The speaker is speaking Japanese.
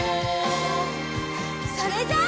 それじゃあ。